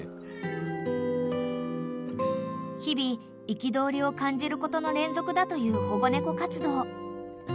［日々憤りを感じることの連続だという保護猫活動］